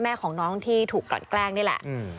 แม่ของน้องที่ถูกกลั่นแกล้งนี่แหละ